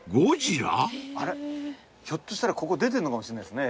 ひょっとしたらここ出てんのかもしれないですね